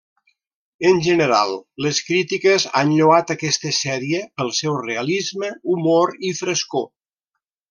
En general, les crítiques han lloat aquesta sèrie pel seu realisme, humor i frescor.